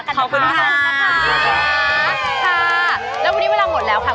งั้นผมไปก่อนนะครับ